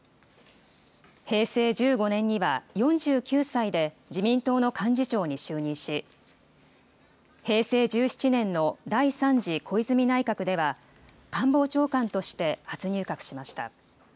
平成１５年には、４９歳で自民党の幹事長に就任し、平成１７年の第３次小泉内閣では、官房長官として初入閣しました。